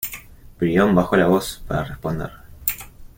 Brión bajó la voz para responder: